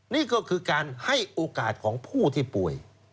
นี่ก็คือการให้โอกาสของผู้ที่ป่วย